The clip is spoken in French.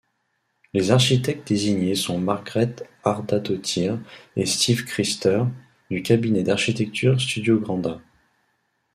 Les architectes désignés sont Margrét Harðadóttir et Steve Christer, du cabinet d'architecture Studio Granda.